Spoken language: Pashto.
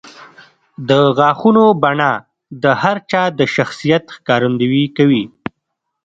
د غاښونو بڼه د هر چا د شخصیت ښکارندویي کوي.